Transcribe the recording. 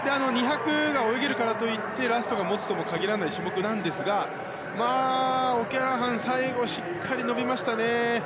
２００が泳げるからといってラストが持つとも限らない種目なんですがオキャラハン最後しっかり伸びましたね。